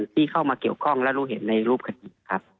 ที่เข้ามาเกี่ยวข้องและรู้เห็นในรูปคดีครับ